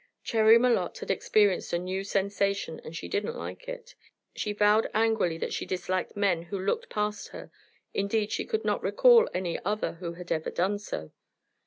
Cherry Malotte had experienced a new sensation, and she didn't like it. She vowed angrily that she disliked men who looked past her; indeed, she could not recall any other who had ever done so.